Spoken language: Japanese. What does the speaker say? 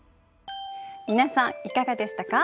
皆さんいかがでしたか？